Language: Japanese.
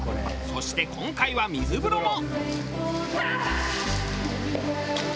そして今回は水風呂も。